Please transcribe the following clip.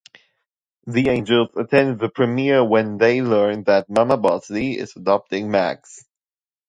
The Angels attend the premiere where they learn that Mama Bosley is adopting Max.